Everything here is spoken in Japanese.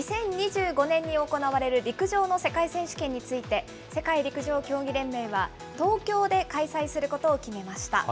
２０２５年に行われる陸上の世界選手権について、世界陸上競技連盟は、東京で開催することを決めました。